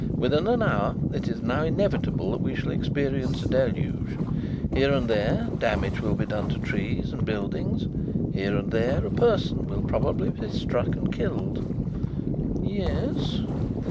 Within an hour it is now inevitable that we shall experience a deluge. Here and there damage will be done to trees and buildings; here and there a person will probably be struck and killed." "Yes."